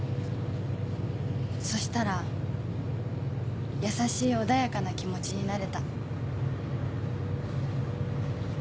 そしたら優しい穏やかな気持ちになれた。